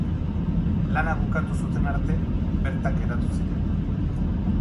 Lana bukatu zuten arte bertan geratu ziren.